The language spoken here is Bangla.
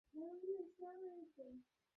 সিরিজের চার টেস্টেই তার অংশগ্রহণ ছিল।